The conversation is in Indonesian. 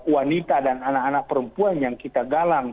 wanita dan anak anak perempuan yang kita galang